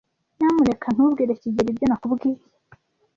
Nyamuneka ntubwire kigeli ibyo nakubwiye.